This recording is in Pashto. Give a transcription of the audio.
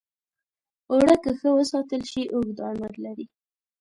اوړه که ښه وساتل شي، اوږد عمر لري